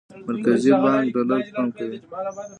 مرکزي بانک ډالر پمپ کوي.